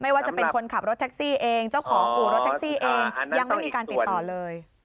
ว่าจะเป็นคนขับรถแท็กซี่เองเจ้าของอู่รถแท็กซี่เองยังไม่มีการติดต่อเลย